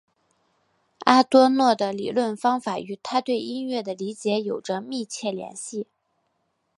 阿多诺的理论方法与他对音乐的理解有着密切联系。